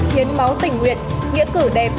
hiến máu tình nguyện nghĩa cử đẹp